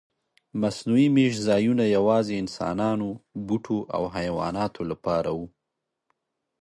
مصنوعي میشت ځایونه یواځې انسانانو، بوټو او حیواناتو لپاره و.